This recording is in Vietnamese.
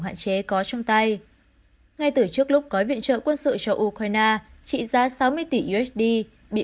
hạn chế có trong tay ngay từ trước lúc gói viện trợ quân sự cho ukraine trị giá sáu mươi tỷ usd bị